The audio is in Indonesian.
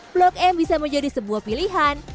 blok m bisa menjadi sebuah pilihan